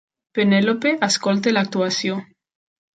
Penelope escolta l'actuació.